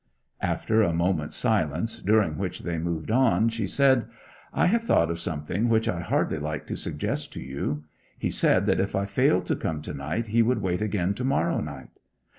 After a moment's silence, during which they moved on, she said, 'I have thought of something which I hardly like to suggest to you. He said that if I failed to come to night he would wait again to morrow night.